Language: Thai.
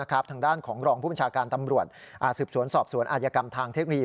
ทางด้านของรองผู้บัญชาการตำรวจสืบสวนสอบสวนอาจยกรรมทางเทคโนโลยี